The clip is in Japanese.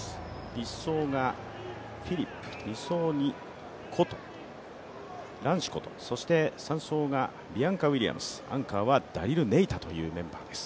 １走がフィリップ２走にランシコト、３走がビアンカ・ウィリアムズ、アンカーはダリル・ネイタというメンバーです。